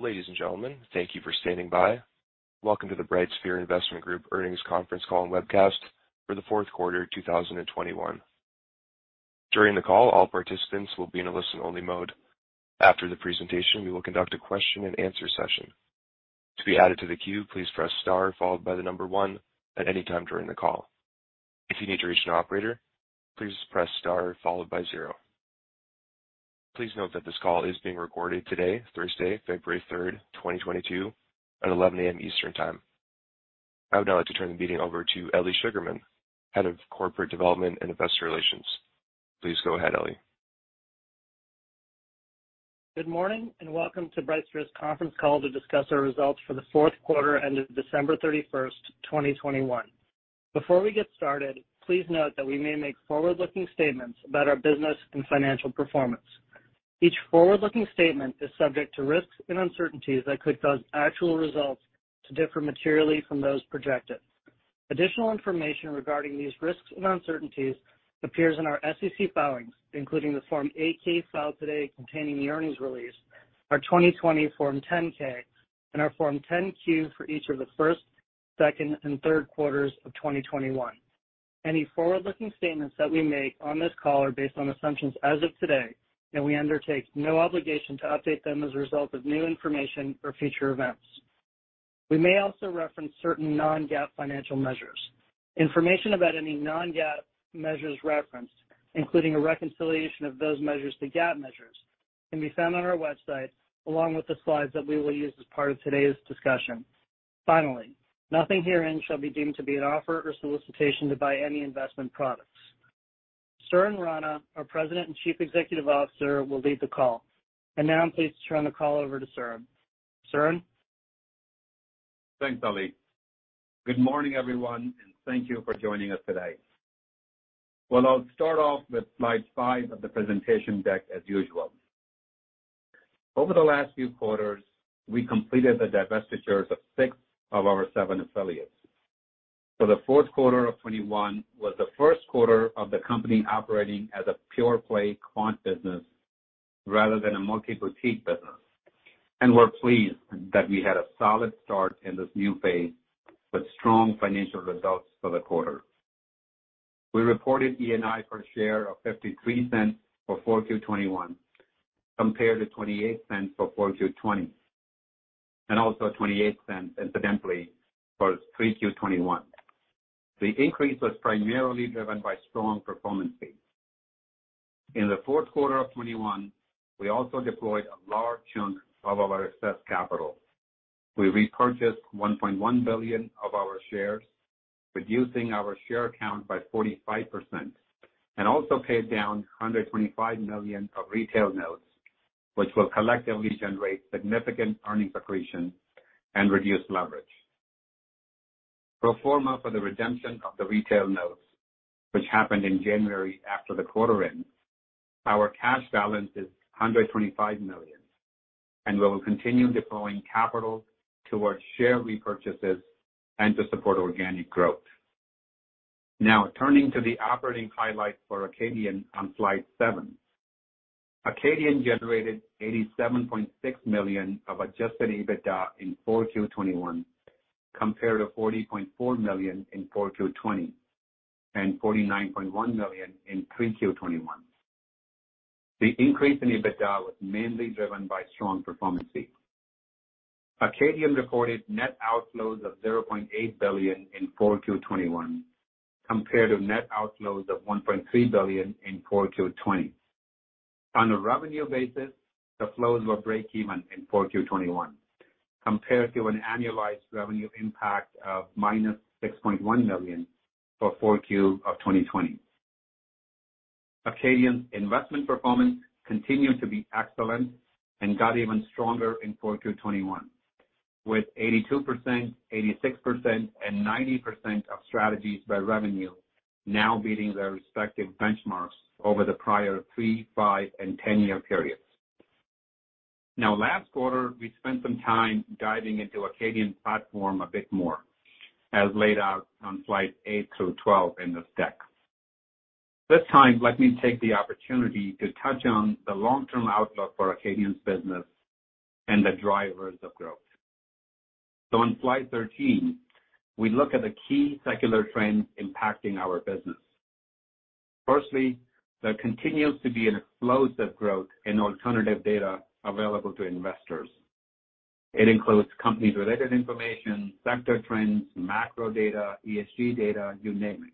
Ladies and gentlemen, thank you for standing by. Welcome to the BrightSphere Investment Group earnings conference call and webcast for the fourth quarter 2021. During the call, all participants will be in a listen-only mode. After the presentation, we will conduct a question-and-answer session. To be added to the queue, please press star followed by the number one at any time during the call. If you need to reach an operator, please press star followed by zero. Please note that this call is being recorded today, Thursday, February 3, 2022 at 11:00 A.M. Eastern Time. I would now like to turn the meeting over to Elie Sugarman, Head of Corporate Development and Investor Relations. Please go ahead, Elie. Good morning, and welcome to Acadian Asset Management's conference call to discuss our results for the fourth quarter ending December 31, 2021. Before we get started, please note that we may make forward-looking statements about our business and financial performance. Each forward-looking statement is subject to risks and uncertainties that could cause actual results to differ materially from those projected. Additional information regarding these risks and uncertainties appears in our SEC filings, including the Form 8-K filed today containing the earnings release, our 2020 Form 10-K and our Form 10-Q for each of the first, second and third quarters of 2021. Any forward-looking statements that we make on this call are based on assumptions as of today, and we undertake no obligation to update them as a result of new information or future events. We may also reference certain non-GAAP financial measures. Information about any non-GAAP measures referenced, including a reconciliation of those measures to GAAP measures, can be found on our website, along with the slides that we will use as part of today's discussion. Finally, nothing herein shall be deemed to be an offer or solicitation to buy any investment products. Suren Rana, our President and Chief Executive Officer, will lead the call. Now I'm pleased to turn the call over to Suren. Suren? Thanks, Elie. Good morning, everyone, and thank you for joining us today. Well, I'll start off with slide five of the presentation deck as usual. Over the last few quarters, we completed the divestitures of six of our seven affiliates. The fourth quarter of 2021 was the first quarter of the company operating as a pure-play quant business rather than a multi-boutique business. We're pleased that we had a solid start in this new phase with strong financial results for the quarter. We reported ENI per share of $0.53 for 4Q 2021, compared to $0.28 for 4Q 2020, and also $0.28 incidentally for 3Q 2021. The increase was primarily driven by strong performance fees. In the fourth quarter of 2021, we also deployed a large chunk of our excess capital. We repurchased $1.1 billion of our shares, reducing our share count by 45%, and also paid down $125 million of retail notes, which will collectively generate significant earning accretion and reduce leverage. Pro forma for the redemption of the retail notes, which happened in January after the quarter end, our cash balance is $125 million, and we will continue deploying capital towards share repurchases and to support organic growth. Now turning to the operating highlights for Acadian on slide seven. Acadian generated $87.6 million of adjusted EBITDA in 4Q 2021, compared to $40.4 million in 4Q 2020 and $49.1 million in 3Q 2021. The increase in EBITDA was mainly driven by strong performance fees. Acadian recorded net outflows of $0.8 billion in 4Q 2021, compared to net outflows of $1.3 billion in 4Q 2020. On a revenue basis, the flows were breakeven in 4Q 2021, compared to an annualized revenue impact of -$6.1 million for 4Q 2020. Acadian's investment performance continued to be excellent and got even stronger in 4Q 2021, with 82%, 86%, and 90% of strategies by revenue now beating their respective benchmarks over the prior three-, five-, and 10-year periods. Last quarter, we spent some time diving into Acadian's platform a bit more, as laid out on slides eight through 12 in this deck. This time, let me take the opportunity to touch on the long-term outlook for Acadian's business and the drivers of growth. On slide 13, we look at the key secular trends impacting our business. Firstly, there continues to be an explosive growth in alternative data available to investors. It includes company-related information, sector trends, macro data, ESG data, you name it.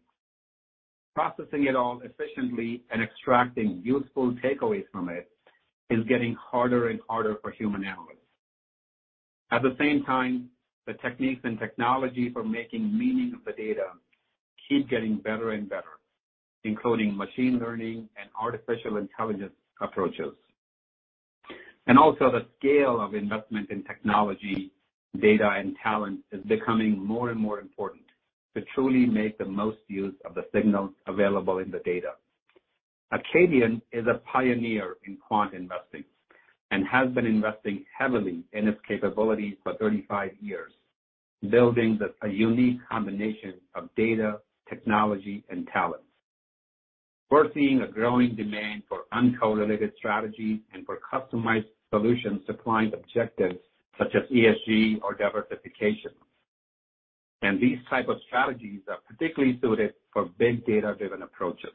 Processing it all efficiently and extracting useful takeaways from it is getting harder and harder for human analysts. At the same time, the techniques and technology for making meaning of the data keep getting better and better, including machine learning and artificial intelligence approaches. The scale of investment in technology, data, and talent is becoming more and more important to truly make the most use of the signals available in the data. Acadian is a pioneer in quant investing and has been investing heavily in its capabilities for 35 years, building a unique combination of data, technology, and talent. We're seeing a growing demand for uncorrelated strategies and for customized solutions to client objectives such as ESG or diversification. These type of strategies are particularly suited for big data-driven approaches.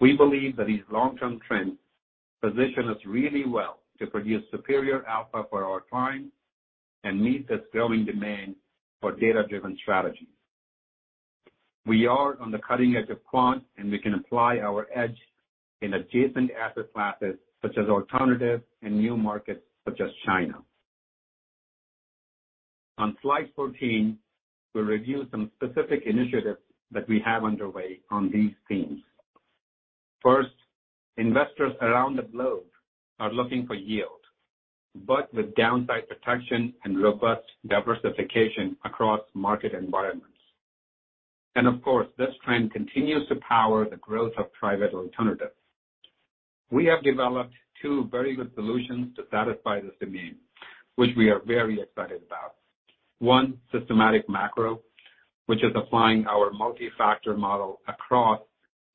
We believe that these long-term trends position us really well to produce superior alpha for our clients and meet this growing demand for data-driven strategies. We are on the cutting edge of quant, and we can apply our edge in adjacent asset classes such as alternative and new markets such as China. On slide 14, we review some specific initiatives that we have underway on these themes. First, investors around the globe are looking for yield, but with downside protection and robust diversification across market environments. Of course, this trend continues to power the growth of private alternatives. We have developed two very good solutions to satisfy this demand, which we are very excited about. One, Systematic Macro, which is applying our multi-factor model across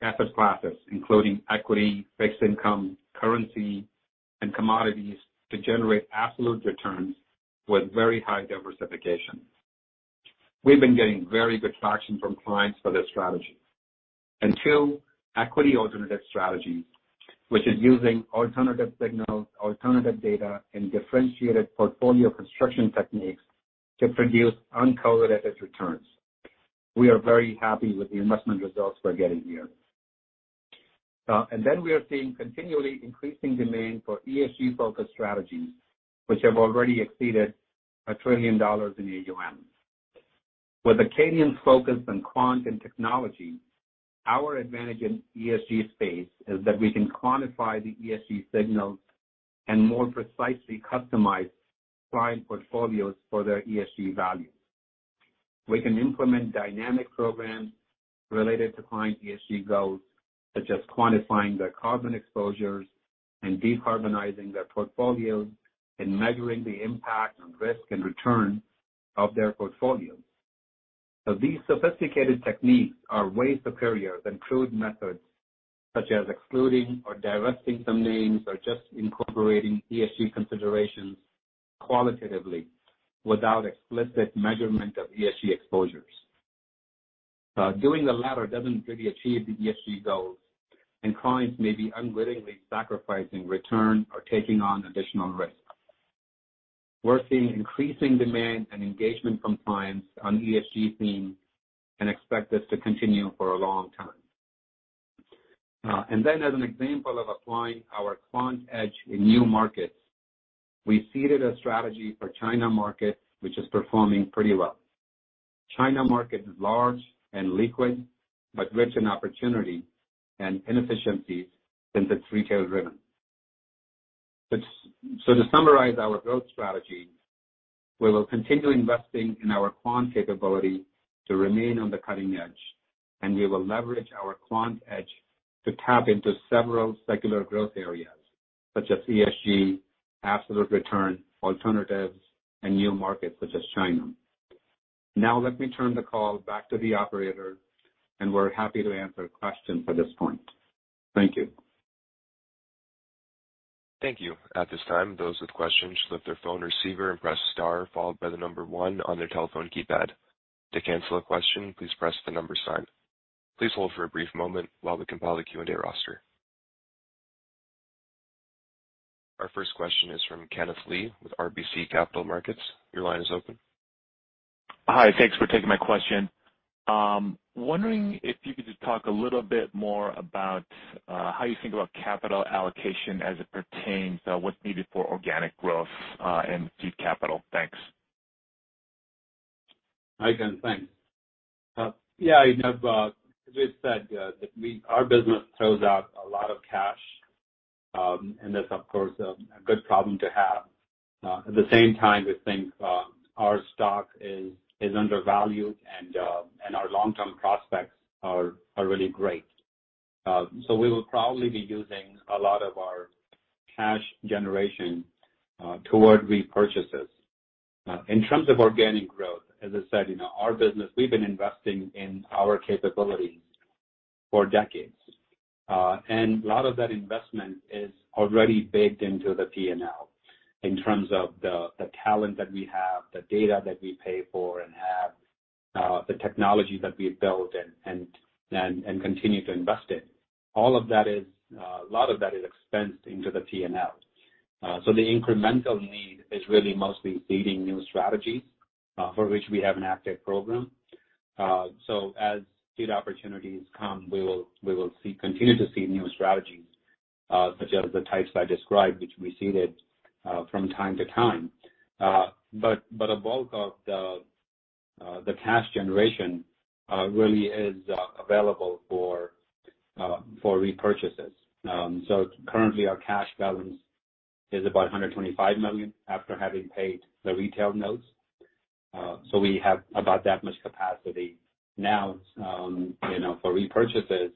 asset classes, including equity, fixed income, currency, and commodities to generate absolute returns with very high diversification. We've been getting very good traction from clients for this strategy. Two, Equity Alternative Strategies, which is using alternative signals, alternative data, and differentiated portfolio construction techniques to produce uncorrelated returns. We are very happy with the investment results we're getting here. We are seeing continually increasing demand for ESG-focused strategies which have already exceeded $1 trillion in AUM. With Acadian's focus on quant and technology, our advantage in ESG space is that we can quantify the ESG signals and more precisely customize client portfolios for their ESG values. We can implement dynamic programs related to client ESG goals, such as quantifying their carbon exposures and decarbonizing their portfolios and measuring the impact on risk and return of their portfolios. These sophisticated techniques are way superior than crude methods, such as excluding or divesting some names or just incorporating ESG considerations qualitatively without explicit measurement of ESG exposures. Doing the latter doesn't really achieve the ESG goals, and clients may be unwittingly sacrificing return or taking on additional risk. We're seeing increasing demand and engagement from clients on ESG theme and expect this to continue for a long time. As an example of applying our quant edge in new markets, we seeded a strategy for China market, which is performing pretty well. China market is large and liquid, but rich in opportunity and inefficiencies since it's retail-driven. To summarize our growth strategy, we will continue investing in our quant capability to remain on the cutting edge, and we will leverage our quant edge to tap into several secular growth areas such as ESG, absolute return, alternatives, and new markets such as China. Now let me turn the call back to the operator, and we're happy to answer questions at this point. Thank you. Thank you. At this time, those with questions should lift their phone receiver and press star followed by the number one on their telephone keypad. To cancel a question, please press the number sign. Please hold for a brief moment while we compile the Q&A roster. Our first question is from Kenneth Lee with RBC Capital Markets. Your line is open. Hi. Thanks for taking my question. Wondering if you could just talk a little bit more about how you think about capital allocation as it pertains to what's needed for organic growth, and seed capital. Thanks. Hi, Ken. Thanks. Yeah, you know, as we've said, that we, our business throws out a lot of cash, and that's of course a good problem to have. At the same time, we think our stock is undervalued and our long-term prospects are really great. We will probably be using a lot of our cash generation toward repurchases. In terms of organic growth, as I said, you know, our business, we've been investing in our capabilities for decades. A lot of that investment is already baked into the P&L in terms of the talent that we have, the data that we pay for and have, the technology that we've built and continue to invest in. All of that is a lot of that is expensed into the P&L. The incremental need is really mostly seeding new strategies, for which we have an active program. As good opportunities come, we will continue to seed new strategies, such as the types I described, which we seeded from time to time. A bulk of the cash generation really is available for repurchases. Currently our cash balance is about $125 million after having paid the retail notes. We have about that much capacity now, you know, for repurchases.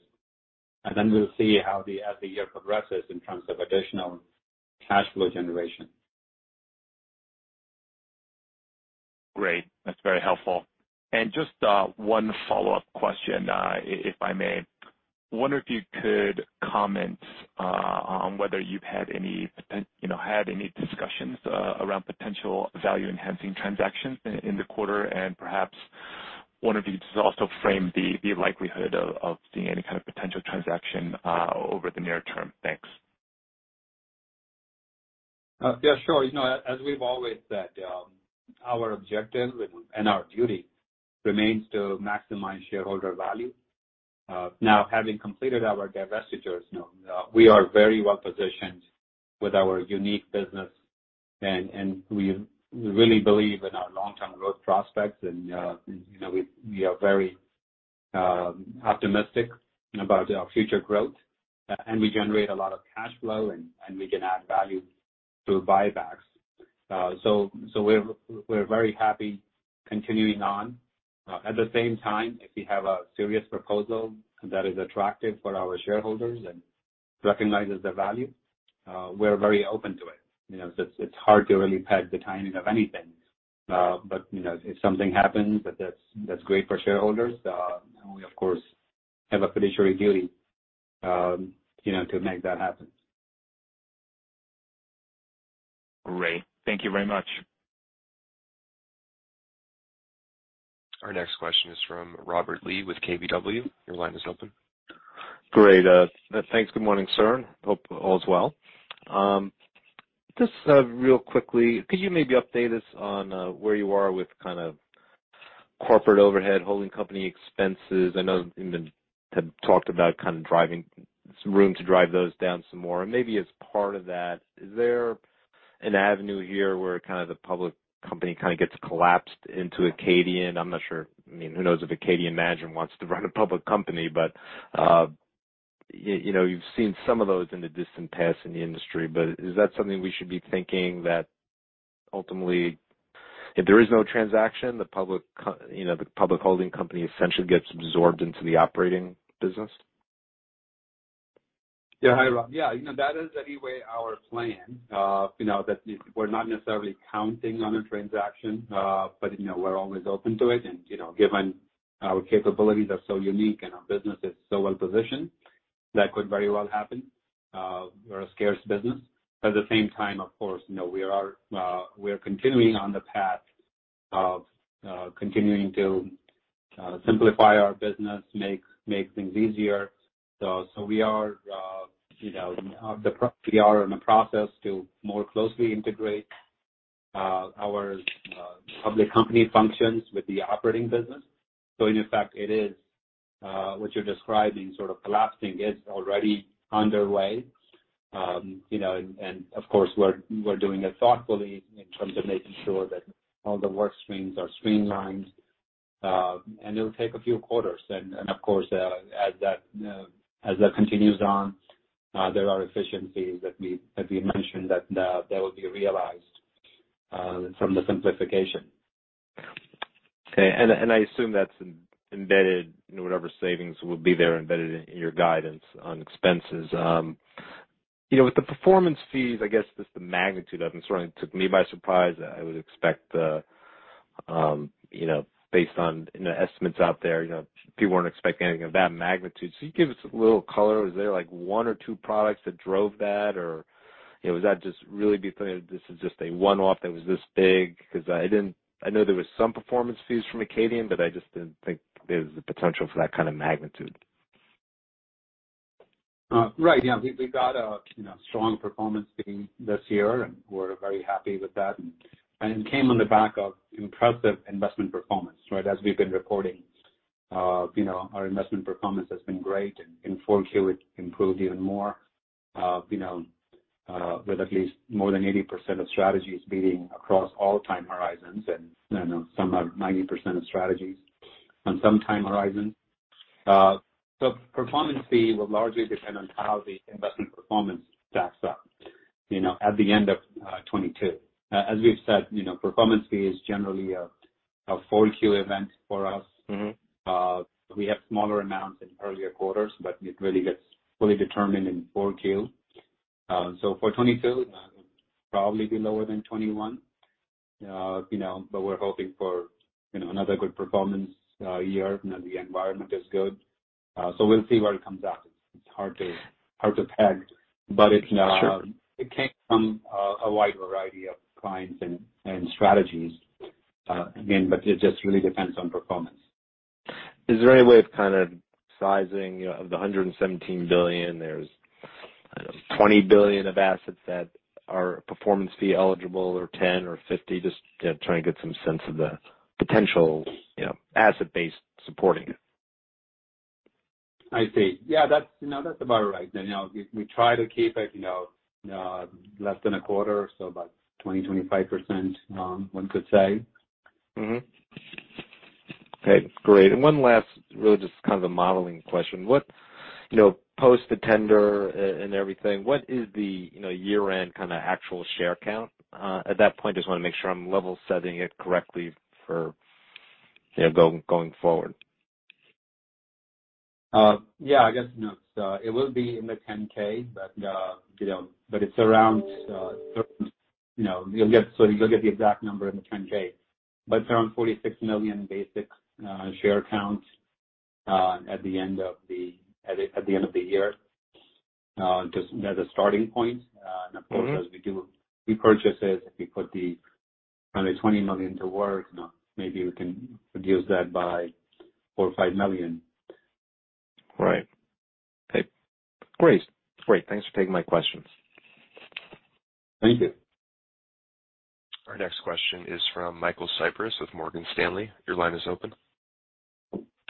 Then we'll see how, as the year progresses, in terms of additional cash flow generation. Great. That's very helpful. Just one follow-up question, if I may. I wonder if you could comment on whether you've had any, you know, discussions around potential value-enhancing transactions in the quarter, and perhaps one of you just also frame the likelihood of seeing any kind of potential transaction over the near term. Thanks. Yeah, sure. You know, as we've always said, our objective and our duty remains to maximize shareholder value. Now, having completed our divestitures, you know, we are very well positioned with our unique business and we really believe in our long-term growth prospects. You know, we are very optimistic about our future growth, and we generate a lot of cash flow, and we can add value through buybacks. We're very happy continuing on. At the same time, if we have a serious proposal that is attractive for our shareholders and recognizes the value, we're very open to it. You know, it's hard to really peg the timing of anything. You know, if something happens that's great for shareholders, we of course have a fiduciary duty, you know, to make that happen. Great. Thank you very much. Our next question is from Robert Lee with KBW. Your line is open. Great. Thanks. Good morning, sir. Hope all is well. Just, real quickly, could you maybe update us on where you are with kind of corporate overhead holding company expenses? I know you had talked about kind of some room to drive those down some more. Maybe as part of that, is there an avenue here where kind of the public company kind of gets collapsed into Acadian? I'm not sure. I mean, who knows if Acadian management wants to run a public company, but you know, you've seen some of those in the distant past in the industry. But is that something we should be thinking that ultimately, if there is no transaction, the public you know, the public holding company essentially gets absorbed into the operating business? Hi, Rob. You know, that is anyway our plan. You know, that we're not necessarily counting on a transaction, but you know, we're always open to it. You know, given our capabilities are so unique and our business is so well positioned, that could very well happen. We're a scarce business. At the same time, of course, you know, we are continuing on the path of continuing to simplify our business, make things easier. We are in the process to more closely integrate our public company functions with the operating business. In effect, it is what you're describing, sort of collapsing is already underway. You know, of course we're doing it thoughtfully in terms of making sure that all the work streams are streamlined. It'll take a few quarters. Of course, as that continues on, there are efficiencies that we mentioned that will be realized from the simplification. Okay. I assume that's embedded in whatever savings will be there, embedded in your guidance on expenses. You know, with the performance fees, I guess just the magnitude of them certainly took me by surprise. I would expect, you know, based on, you know, estimates out there, you know, people weren't expecting anything of that magnitude. Can you give us a little color? Was there like one or two products that drove that? Or, you know, was that just really this is just a one-off that was this big? 'Cause I know there was some performance fees from Acadian, but I just didn't think there was the potential for that kind of magnitude. Right. Yeah. We got a, you know, strong performance fee this year, and we're very happy with that. It came on the back of impressive investment performance, right? As we've been reporting, our investment performance has been great. In 4Q it improved even more, with at least more than 80% of strategies beating across all time horizons. Some have 90% of strategies on some time horizon. Performance fee will largely depend on how the investment performance stacks up, you know, at the end of 2022. As we've said, you know, performance fee is generally a 4Q event for us. Mm-hmm. We have smaller amounts in earlier quarters, but it really gets fully determined in 4Q. For 2022, it would probably be lower than 2021. You know, but we're hoping for, you know, another good performance year. You know, the environment is good. We'll see where it comes out. It's hard to peg. Sure. It came from a wide variety of clients and strategies, again, but it just really depends on performance. Is there any way of kind of sizing, of the $117 billion, there's, I don't know, $20 billion of assets that are performance fee eligible or $10 billion or $50 billion? Just, you know, trying to get some sense of the potential, you know, asset base supporting it. I see. Yeah, that's, you know, that's about right. You know, we try to keep it, you know, less than a quarter, so about 20%-25%, one could say. Mm-hmm. Okay, great. One last really just kind of a modeling question. You know, post the tender and everything, what is the year-end kind of actual share count at that point? Just wanna make sure I'm level setting it correctly for, you know, going forward. Yeah, I guess, you know, it will be in the 10-K, but, you know, but it's around, you know, you'll get the exact number in the 10-K. But around 46 million basic share count at the end of the year, just as a starting point. Mm-hmm. Of course, as we do repurchases, if we put the under $20 million to work, you know, maybe we can reduce that by $4 million or $5 million. Right. Okay, great. Great. Thanks for taking my questions. Thank you. Our next question is from Michael Cyprys with Morgan Stanley. Your line is open.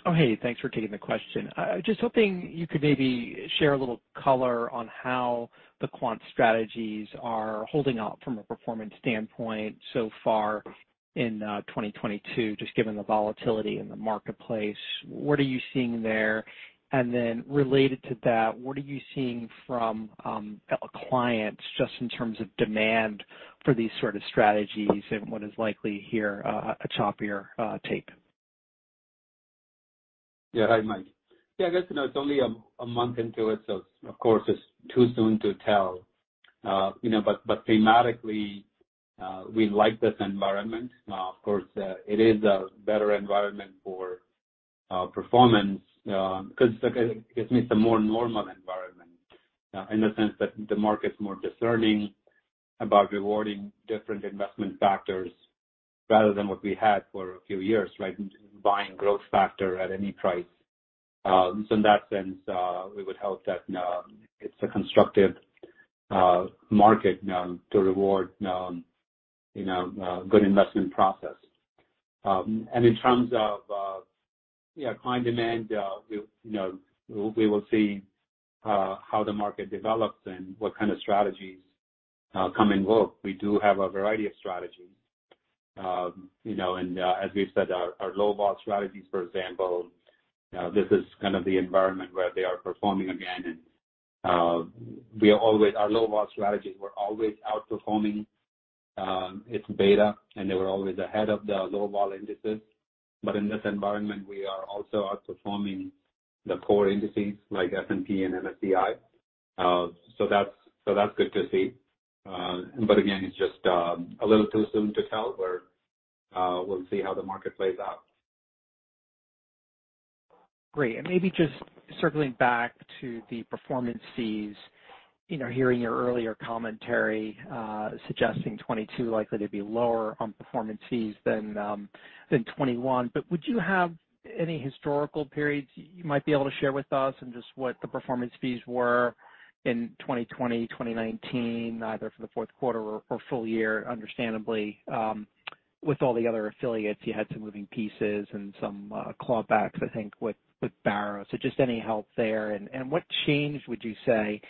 Oh, hey, thanks for taking the question. Just hoping you could maybe share a little color on how the quant strategies are holding out from a performance standpoint so far in 2022, just given the volatility in the marketplace. What are you seeing there? Related to that, what are you seeing from clients just in terms of demand for these sort of strategies and what is likely here, a choppier take? Yeah. Hi, Mike. Yeah, I guess, you know, it's only a month into it, so of course it's too soon to tell. You know, but thematically, we like this environment. Of course, it is a better environment for performance, 'cause it gives me some more normal environment, in the sense that the market's more discerning about rewarding different investment factors rather than what we had for a few years, right? Buying growth factor at any price. So in that sense, we would hope that it's a constructive market to reward, you know, a good investment process. In terms of, yeah, client demand, you know, we will see how the market develops and what kind of strategies come in vogue. We do have a variety of strategies. You know, as we've said, our low vol strategies, for example, this is kind of the environment where they are performing again, and we are always outperforming its beta, and they were always ahead of the low vol indices. In this environment, we are also outperforming the core indices like S&P and MSCI. That's good to see. Again, it's just a little too soon to tell where we'll see how the market plays out. Great. Maybe just circling back to the performance fees, you know, hearing your earlier commentary suggesting 2022 likely to be lower on performance fees than 2021. Would you have any historical periods you might be able to share with us and just what the performance fees were in 2020, 2019, either for the fourth quarter or full year, understandably. With all the other affiliates, you had some moving pieces and some clawbacks, I think, with Barrow. Just any help there. And what change would you say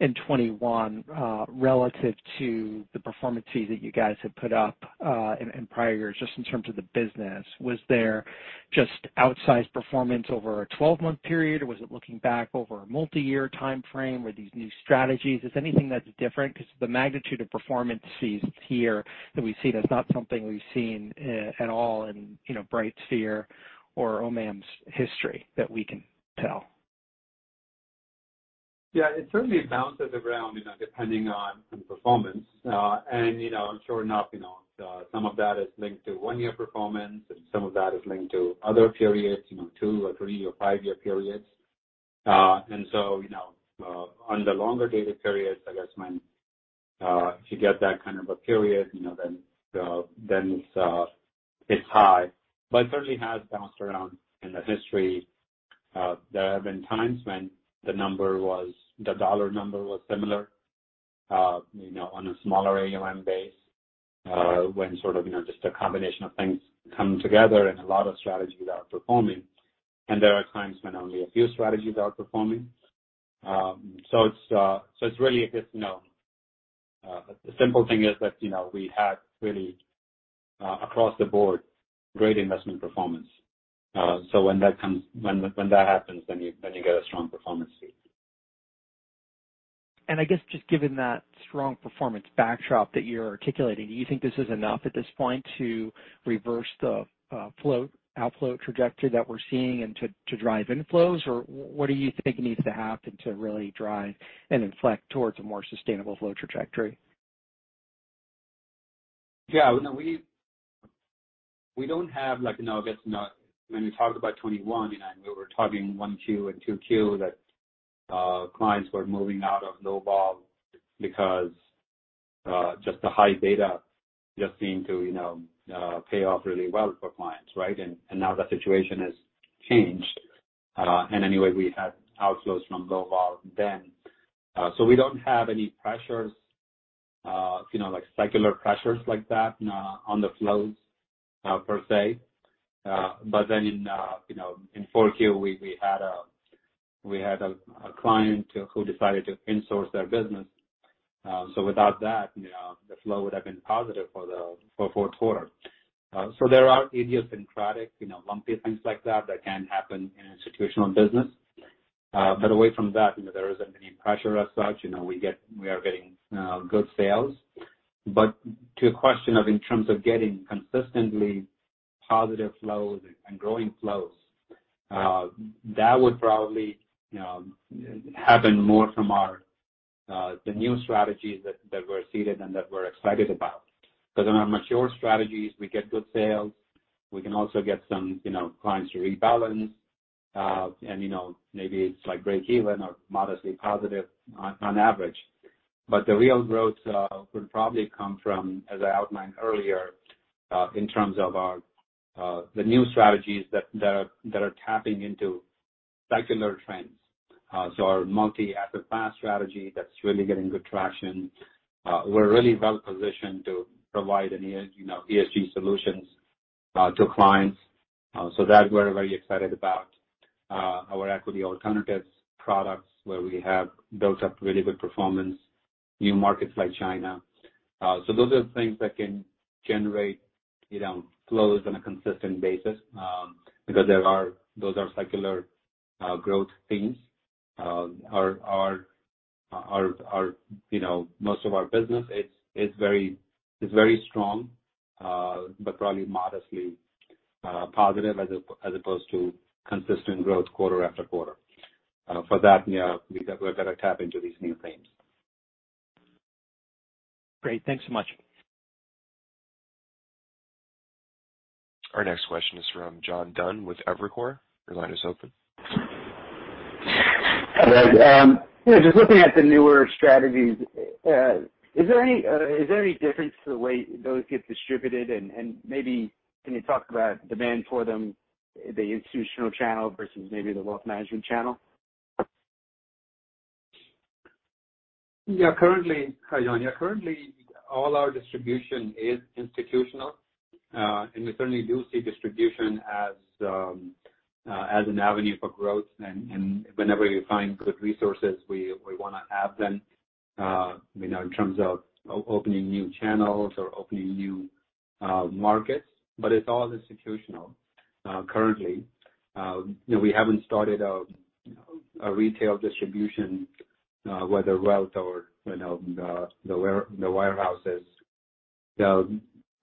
in 2021, relative to the performance fee that you guys had put up in prior years, just in terms of the business? Was there just outsized performance over a 12-month period, or was it looking back over a multi-year timeframe with these new strategies? Is anything that's different? 'Cause the magnitude of performance fees here that we see, that's not something we've seen at all in, you know, BrightSphere or OMAM's history that we can tell. Yeah, it certainly bounces around, you know, depending on the performance. You know, sure enough, you know, some of that is linked to one-year performance and some of that is linked to other periods, you know, two or three or five-year periods. You know, on the longer data periods, I guess when, if you get that kind of a period, you know, then it's high. It certainly has bounced around in the history. There have been times when the number, the dollar number, was similar, you know, on a smaller AUM base, when sort of, you know, just a combination of things come together and a lot of strategies are outperforming. There are times when only a few strategies are outperforming. It's really, I guess, you know, the simple thing is that, you know, we had really across the board great investment performance. When that happens, then you get a strong performance fee. I guess just given that strong performance backdrop that you're articulating, do you think this is enough at this point to reverse the outflow trajectory that we're seeing and to drive inflows? Or what do you think needs to happen to really drive and inflect towards a more sustainable flow trajectory? No, we don't have like, you know. When we talked about 2021, you know, we were talking 1Q and 2Q that clients were moving out of low vol because just the high beta just seemed to, you know, pay off really well for clients, right? Now the situation has changed. We had outflows from low vol then. We don't have any pressures, you know, like secular pressures like that on the flows per se. In 4Q we had a client who decided to in-source their business. Without that, you know, the flow would have been positive for fourth quarter. There are idiosyncratic, you know, lumpy things like that that can happen in institutional business. Away from that, you know, there isn't any pressure as such. You know, we are getting good sales. To your question of in terms of getting consistently positive flows and growing flows, that would probably, you know, happen more from our the new strategies that we're seeded and that we're excited about. Because on our mature strategies, we get good sales. We can also get some, you know, clients to rebalance and, you know, maybe it's like break even or modestly positive on average. The real growth will probably come from, as I outlined earlier, in terms of our the new strategies that are tapping into secular trends. Our multi-asset class strategy that's really getting good traction. We're really well positioned to provide any, you know, ESG solutions to clients that we're very excited about. Our equity alternatives products where we have built up really good performance, new markets like China. Those are things that can generate, you know, flows on a consistent basis, because those are secular growth themes. You know, most of our business is very strong, but probably modestly positive as opposed to consistent growth quarter after quarter. For that, yeah, we've got to tap into these new themes. Great. Thanks so much. Our next question is from John Dunn with Evercore. Your line is open. Hi, there. You know, just looking at the newer strategies, is there any difference to the way those get distributed? Maybe can you talk about demand for them, the institutional channel versus maybe the wealth management channel? Hi, John. Currently all our distribution is institutional. We certainly do see distribution as an avenue for growth. Whenever we find good resources, we wanna have them, you know, in terms of opening new channels or opening new markets, but it's all institutional, currently. You know, we haven't started out, you know, a retail distribution, whether wealth or, you know, the wirehouses.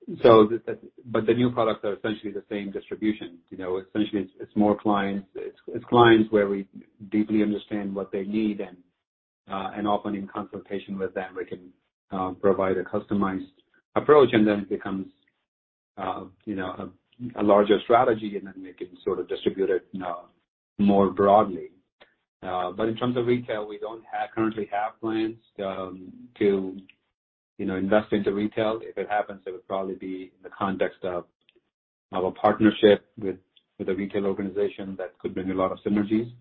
The new products are essentially the same distribution, you know. Essentially it's more clients. It's clients where we deeply understand what they need and often in consultation with them, we can provide a customized approach and then it becomes, you know, a larger strategy and then we can sort of distribute it more broadly. In terms of retail, we don't currently have plans to, you know, invest into retail. If it happens, it would probably be in the context of a partnership with a retail organization that could bring a lot of synergies.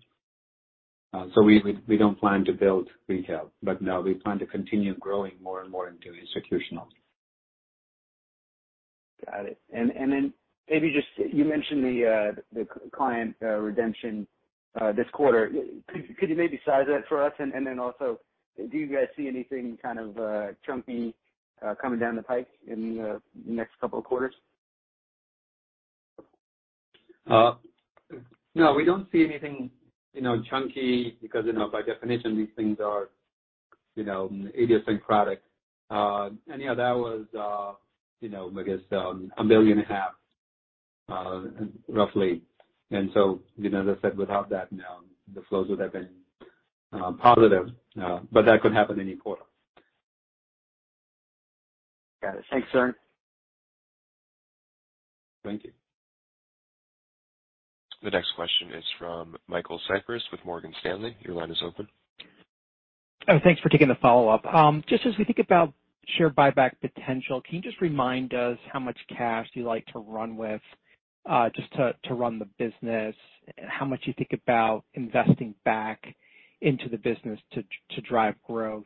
We don't plan to build retail, but no, we plan to continue growing more and more into institutional. Got it. Maybe just you mentioned the client redemption this quarter. Could you maybe size that for us? Also, do you guys see anything kind of chunky coming down the pike in the next couple of quarters? No, we don't see anything, you know, chunky because, you know, by definition, these things are, you know, idiosyncratic. Yeah, that was, you know, I guess, roughly $1.5 million. You know, as I said, without that, the flows would have been positive, but that could happen any quarter. Got it. Thanks, Sur. Thank you. The next question is from Michael Cyprys with Morgan Stanley. Your line is open. Oh, thanks for taking the follow-up. Just as we think about share buyback potential, can you just remind us how much cash do you like to run with, just to run the business? How much you think about investing back into the business to drive growth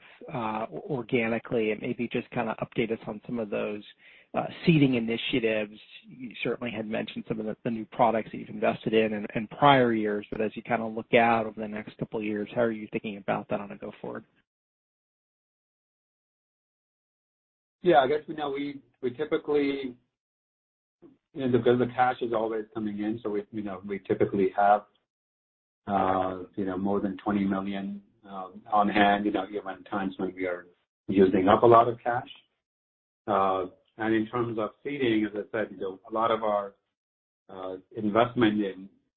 organically? Maybe just kinda update us on some of those seeding initiatives. You certainly had mentioned some of the new products that you've invested in in prior years, but as you kinda look out over the next couple of years, how are you thinking about that on a go forward? Yeah, I guess, you know, we typically have more than $20 million on hand, you know, even times when we are using up a lot of cash. In terms of seeding, as I said, you know, a lot of our investment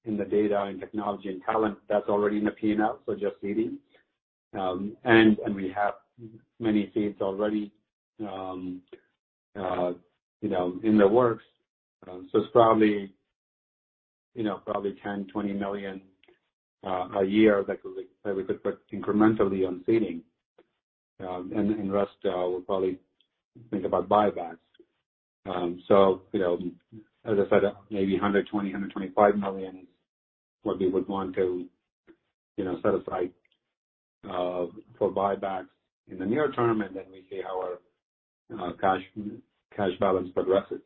in the data and technology and talent that's already in the P&L, so just seeding. We have many seeds already, you know, in the works. It's probably, you know, $10 million-$20 million a year that we could put incrementally on seeding. The rest, we'll probably think about buybacks. You know, as I said, maybe $125 million is what we would want to, you know, set aside for buybacks in the near term, and then we see how our cash balance progresses.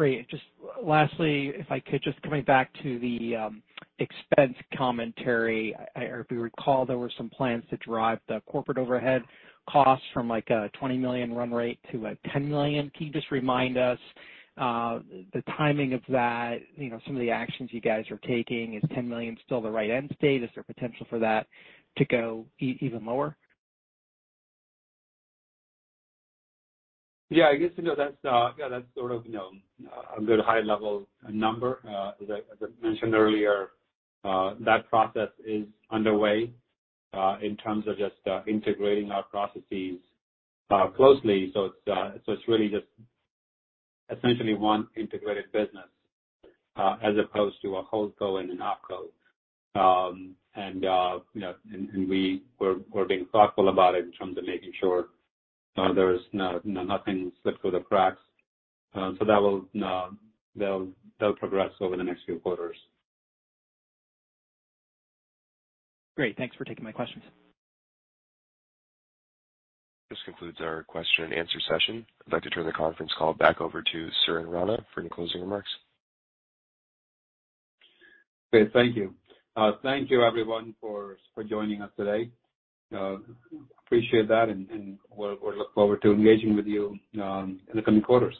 Great. Just lastly, if I could just come back to the expense commentary. If you recall, there were some plans to drive the corporate overhead costs from, like, a $20 million run rate to a $10 million. Can you just remind us the timing of that, you know, some of the actions you guys are taking? Is $10 million still the right end state? Is there potential for that to go even lower? Yeah, I guess, you know, that's sort of, you know, a good high level number. As I mentioned earlier, that process is underway, in terms of just integrating our processes closely. It's really just essentially one integrated business, as opposed to a holdco and an opco. We're being thoughtful about it in terms of making sure nothing slips through the cracks. That'll progress over the next few quarters. Great. Thanks for taking my questions. This concludes our question and answer session. I'd like to turn the conference call back over to Suren Rana for any closing remarks. Great. Thank you. Thank you everyone for joining us today. Appreciate that, and we look forward to engaging with you in the coming quarters.